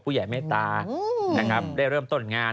ผู้ใหญ่แม่ตาได้เริ่มต้นงาน